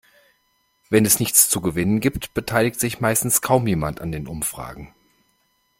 Wenn es nichts zu gewinnen gibt, beteiligt sich meistens kaum jemand an den Umfragen.